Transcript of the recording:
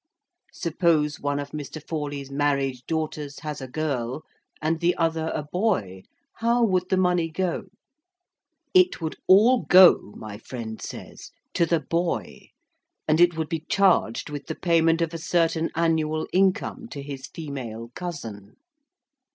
'Suppose one of Mr. Forley's married daughters has a girl, and the other a boy, how would the money go?' 'It would all go,' my friend says, 'to the boy, and it would be charged with the payment of a certain annual income to his female cousin.